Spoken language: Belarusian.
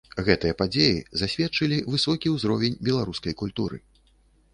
Гэтыя падзеі засведчылі высокі ўзровень беларускай культуры.